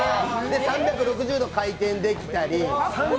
３６０度回転できたり。